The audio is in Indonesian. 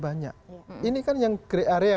banyak ini kan yang grey area